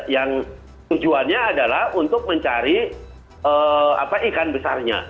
yang tujuannya adalah untuk mencari ikan besarnya